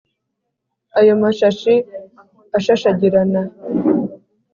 ayo mashashi ashashagirana